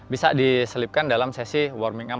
bisa diselipkan dalam sesi warming ump